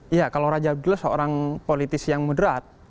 iya kalau raja abdullah seorang politis yang moderat